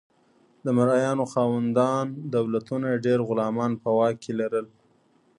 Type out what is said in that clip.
د مرئیانو خاوندان دولتونه ډیر غلامان په واک کې لرل.